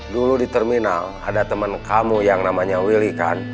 dulu di terminal ada teman kamu yang namanya willy kan